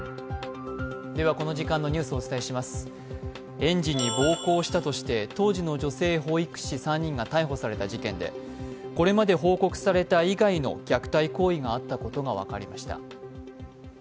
園児に暴行したとして当時の女性保育士３人が逮捕された事件でこれまで報告された以外の虐待行為があったことが分かりました。